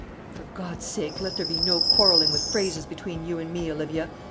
"For God's sake, let there be no quarrelling with phrases between you and me, Olivia!"